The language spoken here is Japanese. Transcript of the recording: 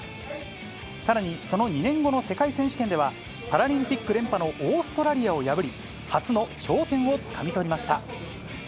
さらに、その２年後の世界選手権では、パラリンピック連覇のオーストラリアを破り、初の頂点をつかみ取りました。